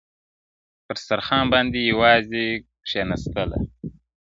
پر سترخان باندي یوازي کښېنستله-